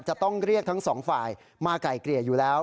จะต้องเรียกทั้งสองฝ่ายมาไกลเกลี่ยอยู่แล้ว